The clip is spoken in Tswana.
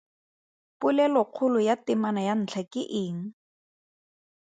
Polelokgolo ya temana ya ntlha ke eng?